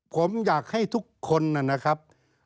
ผมอยากให้ทุกคนนะครับ